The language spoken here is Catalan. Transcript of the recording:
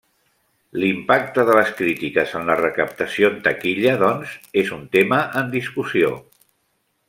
L'impacte de les crítiques en la recaptació en taquilla, doncs, és un tema en discussió.